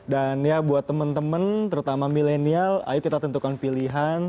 dan ya buat teman teman terutama milenial ayo kita tentukan pilihan